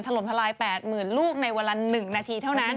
น้ำถล่มทะลายแปดหมื่นลูกในละหนึ่งนาทีเท่านั้น